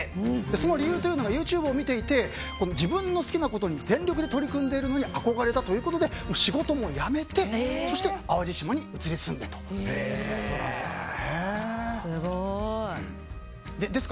その理由というのがＹｏｕＴｕｂｅを見ていて自分の好きなことに全力で取り組んでいるのに憧れ仕事も辞めて、淡路島に移り住んだということです。